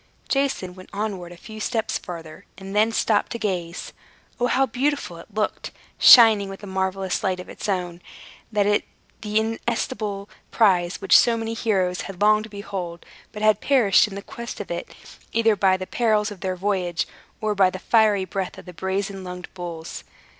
Jason went onward a few steps farther, and then stopped to gaze. O, how beautiful it looked, shining with a marvelous light of its own, that inestimable prize which so many heroes had longed to behold, but had perished in the quest of it, either by the perils of their voyage, or by the fiery breath of the brazen lunged bulls.